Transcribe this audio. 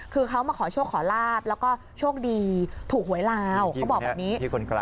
คือเขามาขอโชคขอลาบแล้วก็โชคดีถูกหวยลาวเขาบอกแบบนี้